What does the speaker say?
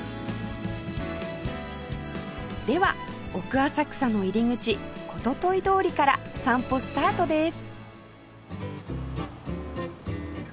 では奥浅草の入り口言問通りから散歩スタートです